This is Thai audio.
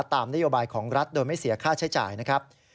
ตามนโยบายของรัฐโดยไม่เสียค่าใช้จ่ายนะครับ